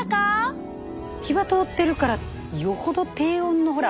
火は通ってるからよほど低温のほら。